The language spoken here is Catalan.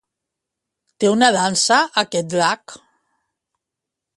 Té una dansa, aquest drac?